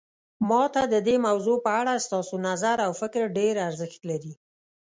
ما ته د دې موضوع په اړه ستاسو نظر او فکر ډیر ارزښت لري